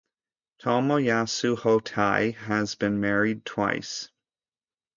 Tomoyasu Hotei has been married twice.